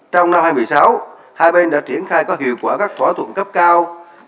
trong năm hai nghìn một mươi sáu hai bên đã triển khai có hiệu quả các thỏa thuận cấp cao